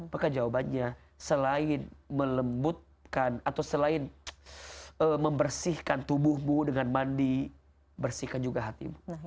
maka jawabannya selain melembutkan atau selain membersihkan tubuhmu dengan mandi bersihkan juga hatimu